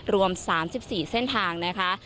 รวม๓๔เส้นทางนะคะ